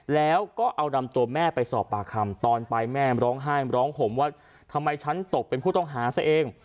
แล้วก็เอานำตัวแม่ไปสอบปากคำตอนไปแม่ร้องไห้ร้องห่มว่าทำไมฉันตกเป็นผู้ต้องหาซะเอง